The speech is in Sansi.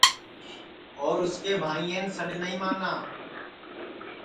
اور اُس کے بھائین سڈؔ نائی مانا